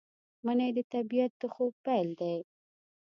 منی د طبیعت د خوب پیل دی